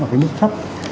ở cái mức thấp